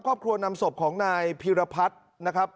ครอบครัวนำศพของนายพีรพัฒน์นะครับ